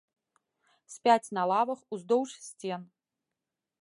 Спяць на лавах уздоўж сцен.